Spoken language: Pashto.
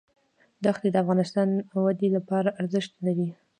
دښتې د اقتصادي ودې لپاره ارزښت لري.